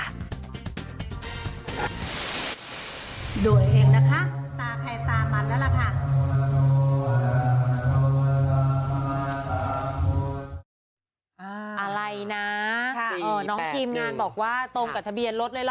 อะไรนะน้องครีมงานบอกว่าตรงกับทะเบียนรถเลยหรอ